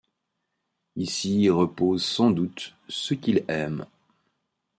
Ici reposent sans doute ceux qu’il aime!